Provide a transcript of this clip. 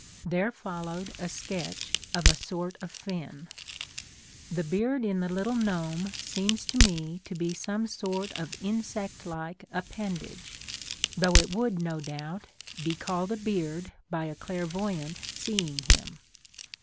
(There followed a sketch of a sort of fin.) The beard in the little gnome seems to me to be some sort of insect like appen dage, though it would, no doubt, be called a beard by a clairvoyant seeing him.